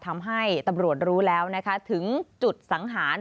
ทำให้ตำรวจรู้แล้วนะคะถึงจุดสังหาร